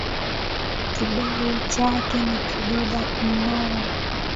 Kidevu chake ni kidoda nnoo.